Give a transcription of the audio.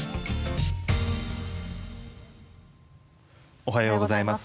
おはようございます。